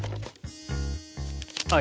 はい。